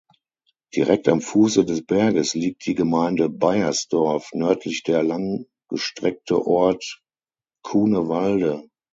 Direkt am Fuße des Berges liegt die Gemeinde Beiersdorf, nördlich der langgestreckte Ort Cunewalde.